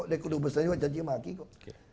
dekodok besar juga caci maki kok